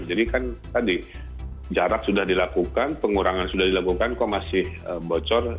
jadi kan tadi jarak sudah dilakukan pengurangan sudah dilakukan kok masih bocor